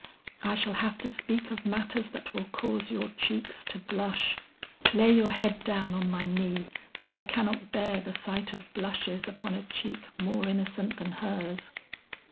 I shall have to speak of matters that will cause your cheeks to blush. Lay your head down on my knee, for I cannot bear the sight of blushes upon a cheek more innocent than hers."